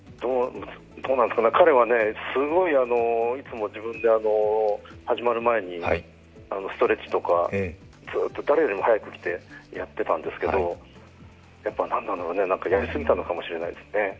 彼はいつも自分で始まる前にストレッチとかずっと誰よりも早く来てやってたんですけれども、やりすぎたのかもしれないですね。